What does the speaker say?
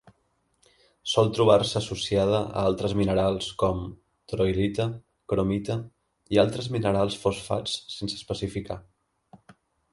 Sol trobar-se associada a altres minerals com: troilita, cromita i altres minerals fosfats sense especificar.